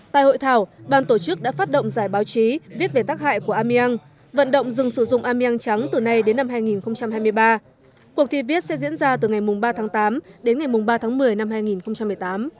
tại hội thảo ban tổ chức đã phát động giải báo chí viết về tác hại của ameang vận động dừng sử dụng ameang trắng từ nay đến năm hai nghìn hai mươi ba cuộc thi viết sẽ diễn ra từ ngày ba tháng tám đến ngày ba tháng một mươi năm hai nghìn một mươi tám